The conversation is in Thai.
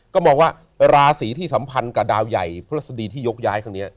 ก็มองว่าราศีที่สัมพันธ์กับดาวใหญ่พฤษฎีที่ยกย้ายครั้งนี้